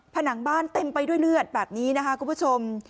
ผนังบ้านเต็มไปด้วยเลือดแบบนี้นะคะคุณผู้ชม